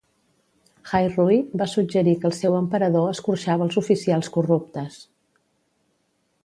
Hai Rui va suggerir que el seu emperador escorxava els oficials corruptes.